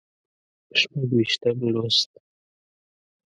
شپږ ویشتم لوست